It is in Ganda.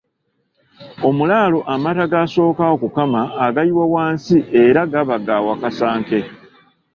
Omulaalo amata g'asooka okukama agayiwa wansi era gaba ga wakasanke.